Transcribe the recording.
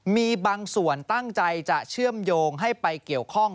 มีบางส่วนตั้งใจจะเชื่อมโยงให้ไปเกี่ยวข้อง